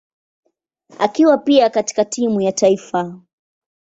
akiwa pia katika timu ya taifa.